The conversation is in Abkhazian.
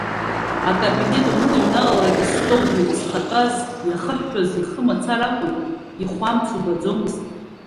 Икабинет уаныныҩналалак астол ду дызхатәаз иахыҳәҳәоз ихы мацара акәын, ихәамц убаӡомызт.